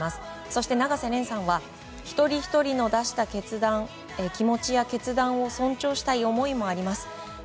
そして、永瀬廉さんは一人ひとりの出した気持ちや決断を尊重したい思いもあります。